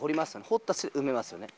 掘った土埋めますよね